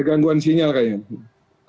ada gangguan sinyal kayaknya